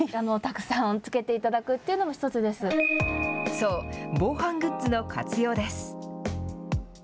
そう、防犯グッズの活用です。